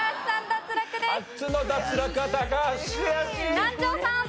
南條さん。